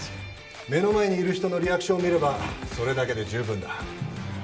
目の前にいる人のリアクションを見ればそれだけで十分だ。